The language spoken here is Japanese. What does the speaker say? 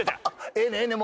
ええねんええねん。